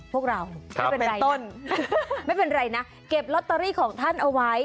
พวกเราไม่เป็นไรนะเก็บล็อตเตอรี่ของท่านเอาไว้